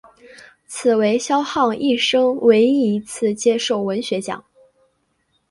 此为萧沆一生唯一一次接受文学奖。